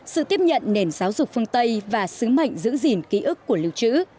sự tiếp nhận nền giáo dục phương tây và sứ mệnh giữ gìn ký ức của lưu trữ